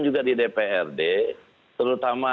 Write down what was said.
juga di dprd terutama